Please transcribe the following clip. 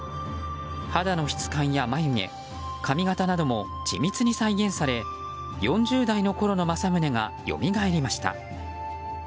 肌の質感やまゆ毛、髪形なども緻密に再現され４０代のころの政宗がよみがえりました。